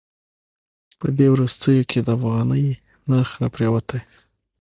په دې وروستیو کې د افغانۍ نرخ راپریوتی.